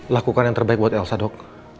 lakukan yang terbaik buat elsa dok